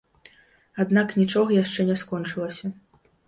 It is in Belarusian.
Аднак нічога яшчэ не скончылася.